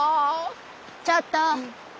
ちょっと！